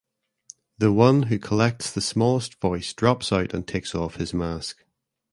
The one who collects the smallest voice drops out and takes off his mask.